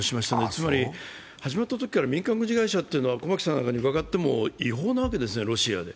つまり始まったときから民間軍事会社というのは違法なわけですね、ロシアの中で。